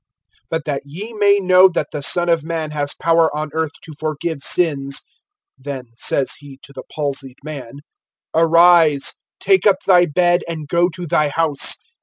(6)But that ye may know that the Son of man has power on earth to forgive sins, (then says he to the palsied man) Arise, take up thy bed, and go to thy house.